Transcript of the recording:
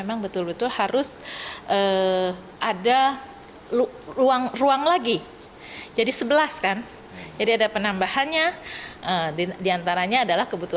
perusahaan yang tersebut